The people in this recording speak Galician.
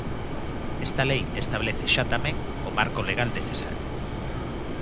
Esta lei establece xa tamén o marco legal necesario.